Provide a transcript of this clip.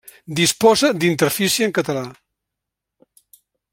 Disposa d'interfície en català.